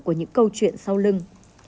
của những câu chuyện sau lưng